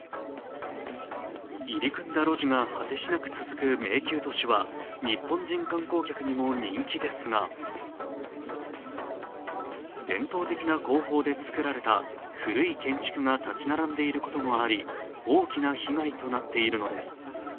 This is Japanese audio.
入り組んだ路地が果てしなく続く迷宮都市は日本人観光客にも人気ですが伝統的な工法で造られた古い建築が立ち並んでいることもあり、大きな被害となっているのです。